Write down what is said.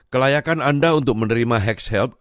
kelayakan anda untuk menerima hex help